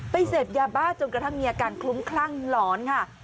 ไปเซฟแย่บาดจนกระทั่งมีอาการคลุ้มคลั่งหรอนค่ะ